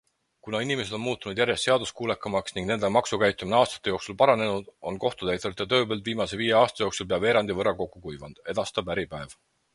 Kuna inimesed on muutunud järjest seaduskuulekamaks ning nende maksekäitumine aastate jooksul paranenud, on kohtutäiturite tööpõld viimase viie aasta jooksul pea veerandi võrra kokku kuivanud, edastab Äripäev.